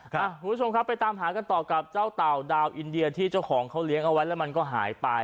คุณผู้ชมครับไปตามหากันต่อกับเจ้าเต่าดาวอินเดียที่เจ้าของเขาเลี้ยงเอาไว้แล้วมันก็หายไป